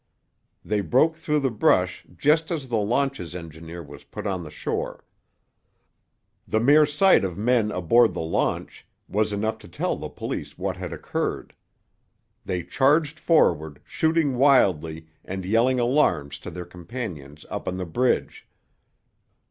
They broke through the brush just as the launch's engineer was put on the shore. The mere sight of men aboard the launch was enough to tell the police what had occurred. They charged forward, shooting wildly and yelling alarms to their companions up on the bridge.